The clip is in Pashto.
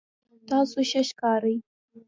تاسو ښه ښکارئ